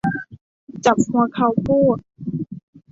จับหัวเข่าพูด